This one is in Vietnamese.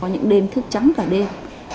có những đêm thức trắng cả đêm